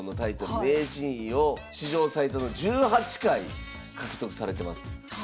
名人位を史上最多の１８回獲得されてます。